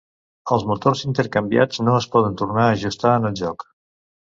Els motors intercanviats no es poden tornar a ajustar en el joc.